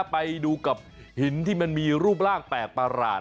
ไปดูกับหินที่มันมีรูปร่างแปลกประหลาด